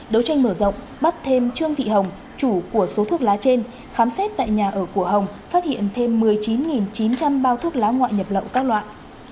đấu tranh mở rộng bắt thêm trương thị hồng chủ của số thuốc lá trên khám xét tại nhà ở của hồng phát hiện thêm một mươi chín chín trăm linh bao thuốc lá ngoại nhập lậu các loại